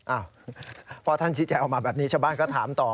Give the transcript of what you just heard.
อ้าวพอท่านชี้แจงออกมาแบบนี้ชาวบ้านก็ถามต่อ